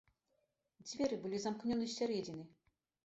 Дзверы былі замкнёны з сярэдзіны.